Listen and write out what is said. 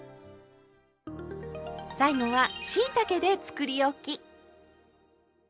最後はしいたけでつくりおき。